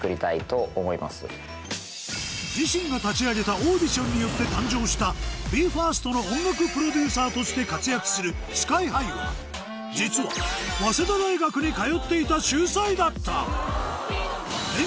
自身が立ち上げたオーディションによって誕生したＢＥ：ＦＩＲＳＴの音楽プロデューサーとして活躍するＳＫＹ−ＨＩは実は問題です